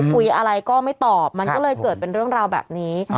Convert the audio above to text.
คุยอะไรก็ไม่ตอบมันก็เลยเกิดเป็นเรื่องราวแบบนี้